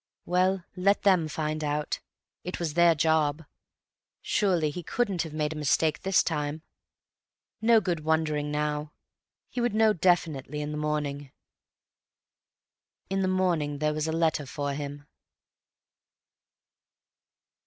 Well, let them find out; it was their job. Surely he couldn't have made a mistake this time. No good wondering now; he would know definitely in the morning. In the morning there was a letter for him.